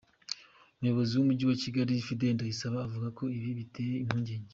Umuyobozi w’umujyi wa Kigali, Fidele Ndayisaba, avuga ko ibi biteye impunge.